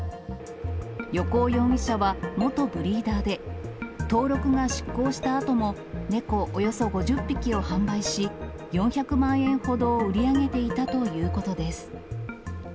横尾容疑者は元ブリーダーで、登録が失効したあとも、猫およそ５０匹を販売し、４００万円ほどを売り上げていたということです。